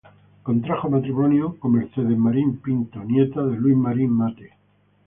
Contrajo matrimonio con Mercedes Marín Pinto, nieta de Luis Marín Matte.